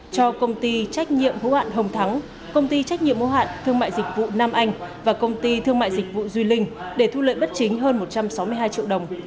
cho công ty trách nhiệm hữu hạn hồng thắng công ty trách nhiệm mô hạn thương mại dịch vụ nam anh và công ty thương mại dịch vụ duy linh để thu lợi bất chính hơn một trăm sáu mươi hai triệu đồng